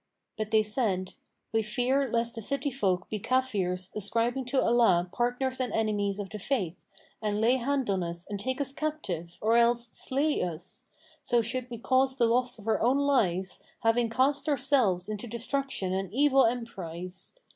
But they said, 'We fear lest the city folk be Kafirs ascribing to Allah partners and enemies of The Faith and lay hand on us and take us captive or else slay us; so should we cause the loss of our own lives, having cast ourselves into destruction and evil emprise.